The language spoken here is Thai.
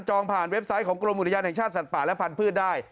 ผ่านเว็บไซต์ของกรมอุทยานแห่งชาติสัตว์ป่าและพันธุ์ได้